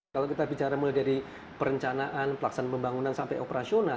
kalau kita bicara mulai dari perencanaan pelaksanaan pembangunan sampai operasional